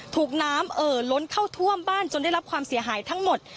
ถูกน้ำเอ่อล้นเข้าท่วมบ้านจนได้รับความเสียหายทั้งหมด